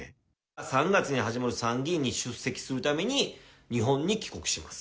３月に始まる参議院に出席するために、日本に帰国します。